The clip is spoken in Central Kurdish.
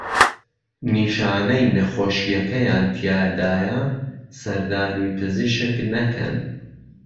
نیشانهی نهخۆشییهکهیان تیادایه سهردانی پزیشک نهکهن